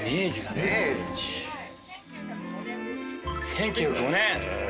１９０５年！